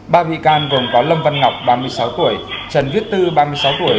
ba bị can gồm có lâm văn ngọc ba mươi sáu tuổi trần viết tư ba mươi sáu tuổi